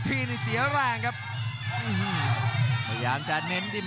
พยายามจะเน้นที่